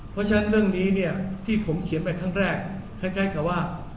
เพราะฉะนั้นเรื่องนี้เนี่ยที่ผมเขียนไปครั้งแรกคล้ายกับว่า